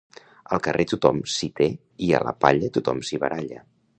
Al carrer tothom s'hi té i a la palla tothom s'hi baralla.